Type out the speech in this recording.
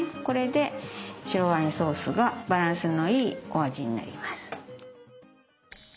これで白ワインソースがバランスのいいお味になります。